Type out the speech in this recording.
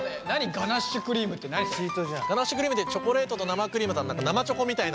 ガナッシュクリームってチョコレートと生クリームと生チョコみたいな。